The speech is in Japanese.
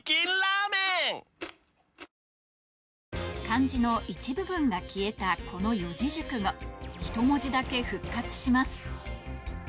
漢字の一部分が消えたこの四字熟語１文字だけ復活します